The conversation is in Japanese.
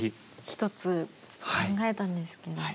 １つ考えたんですけど。